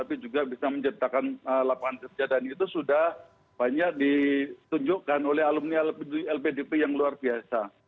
yang menciptakan lapangan kerjaan itu sudah banyak ditunjukkan oleh alumni lpdp yang luar biasa